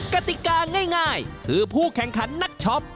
กติกาง่ายคือผู้แข่งขันนักช็อป